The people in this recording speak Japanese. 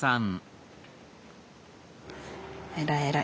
偉い偉い。